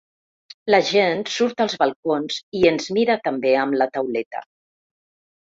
La gent surt als balcons i ens mira també amb la tauleta.